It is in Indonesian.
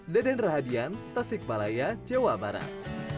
deden rahadian tasik malaya jawa barat